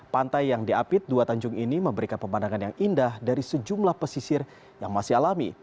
pantai yang diapit dua tanjung ini memberikan pemandangan yang indah dari sejumlah pesisir yang masih alami